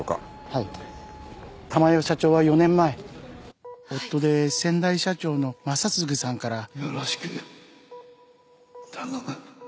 はい珠代社長は４年前夫で先代社長の正継さんから。よろしく頼む。